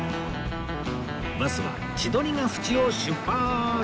バスは千鳥ヶ淵を出発！